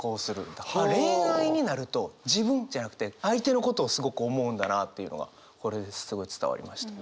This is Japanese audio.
恋愛になると自分じゃなくて相手のことをすごく思うんだなというのがこれですごい伝わりました。